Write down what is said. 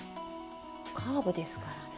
カーブですからね。